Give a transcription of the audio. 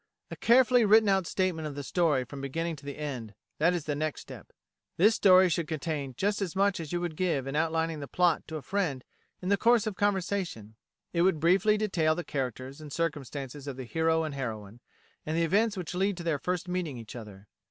A carefully written out statement of the story from the beginning to the end; that is the next step. This story should contain just as much as you would give in outlining the plot to a friend in the course of conversation. It would briefly detail the characters and circumstances of the hero and heroine, and the events which led to their first meeting each other.